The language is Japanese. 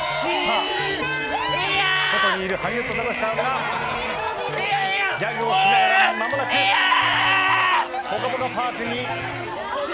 外にいるハリウッドザコシさんはギャグをしながらまもなく、ぽかぽかパークに。